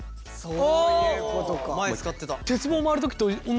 前使ってた。